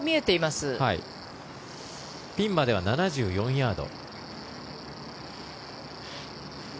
ピンまでは７４ヤード。